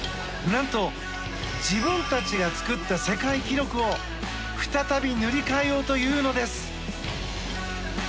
何と自分たちが作った世界記録を再び塗り替えようというのです。